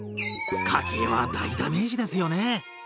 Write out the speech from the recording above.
家計は大ダメージですよね。